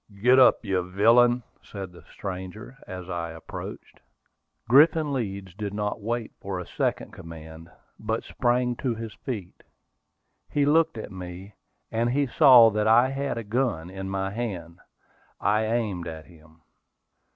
"Get up, you villain!" said the stranger, as I approached. Griffin Leeds did not wait for a second command, but sprang to his feet. He looked at me, and he saw that I had a gun in my hand. I aimed at him.